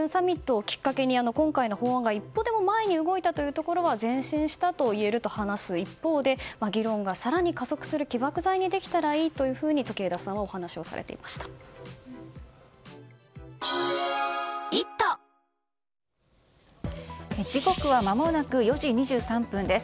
更に、Ｇ７サミットをきっかけに今回の法案が一歩でも前に動いたというところは前進したといえると話していた一方で議論が更に加速する起爆剤にできたらいいと時枝さんは時刻はまもなく４時２３分です。